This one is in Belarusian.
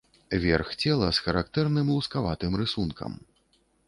Верх цела з характэрным лускаватым рысункам.